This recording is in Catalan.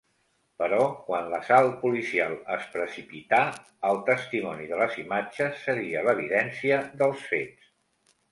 Però quan l'assalt policial es precipità, el testimoni de les imatges seria l'evidència dels fets.